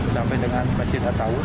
sampai dengan masjid atawun